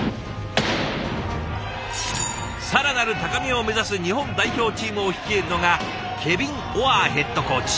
更なる高みを目指す日本代表チームを率いるのがケビン・オアーヘッドコーチ。